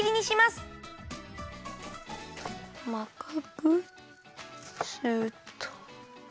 すっと。